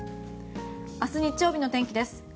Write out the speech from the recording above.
明日日曜日の天気です。